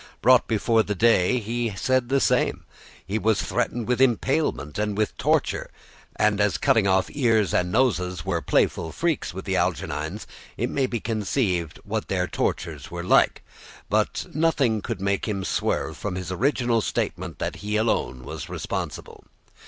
Brought before the Dey, he said the same. He was threatened with impalement and with torture; and as cutting off ears and noses were playful freaks with the Algerines, it may be conceived what their tortures were like; but nothing could make him swerve from his original statement that he and he alone was responsible.